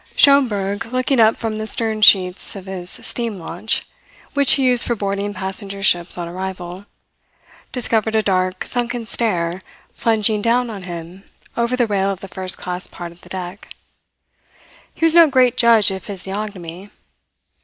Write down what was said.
Schomberg, looking up from the stern sheets of his steam launch, which he used for boarding passenger ships on arrival, discovered a dark sunken stare plunging down on him over the rail of the first class part of the deck. He was no great judge of physiognomy.